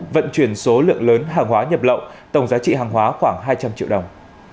vận chuyển số lượng lớn hàng hóa nhập lậu tổng giá trị hàng hóa khoảng hai trăm linh triệu đồng